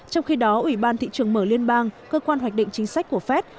trong khi đó ủy ban thị trường mở liên bang cơ quan hoạch định chính sách của fed